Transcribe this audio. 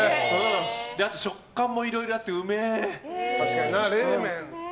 あと食感もいろいろあってうめえ。